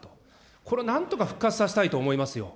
これなんとか復活させたいと思いますよ。